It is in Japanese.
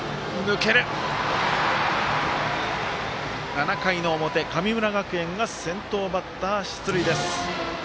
７回の表、神村学園が先頭バッター出塁。